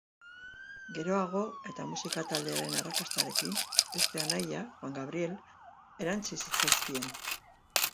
Geroago, eta musika-taldearen arrakastarekin, beste anaia, Juan Gabriel, erantsi zitzaizkien.